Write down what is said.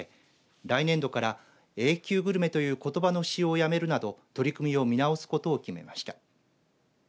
来年度からＡ級グルメということばの使用をやめるなど取り組みを見直すことを決めました。